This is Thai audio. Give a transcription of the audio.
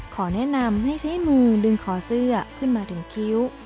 ขอแนะนำให้ใช้มือดึงคอเสื้อขึ้นมาถึงคิ้ว